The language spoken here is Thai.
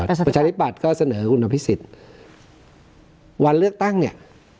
เอ่อประชาธิปัตย์ก็เสนออุณหภิกษิศวันเลือกตั้งเนี่ย